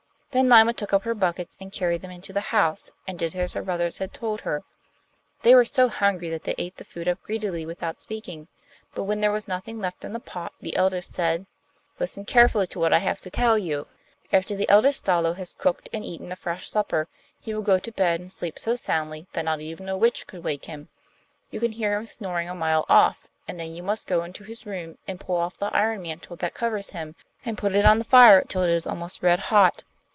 Then Lyma took up her buckets and carried them into the house, and did as her brothers had told her. They were so hungry that they ate the food up greedily without speaking, but when there was nothing left in the pot, the eldest one said: 'Listen carefully to what I have to tell you. After the eldest Stalo has cooked and eaten a fresh supper, he will go to bed and sleep so soundly that not even a witch could wake him. You can hear him snoring a mile off, and then you must go into his room and pull off the iron mantle that covers him, and put it on the fire till it is almost red hot.